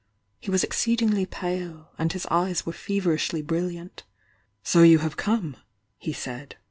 He was exceedingly pale, and his eyes were feverishly brilliant. "So you have come!" he said.